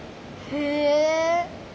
へえ。